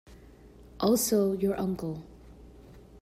Also your uncle.